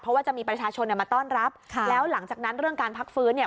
เพราะว่าจะมีประชาชนเนี่ยมาต้อนรับค่ะแล้วหลังจากนั้นเรื่องการพักฟื้นเนี่ย